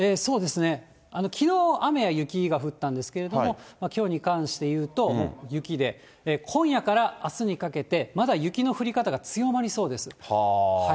きのう、雨や雪が降ったんですけれども、きょうに関して言うと、もう雪で、今夜からあすにかけて、まだ雪の降り方が強まりそうです。